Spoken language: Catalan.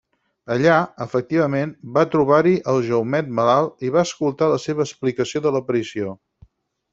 Allà, efectivament, va trobar-hi el Jaumet malalt i va escoltar la seva explicació de l'aparició.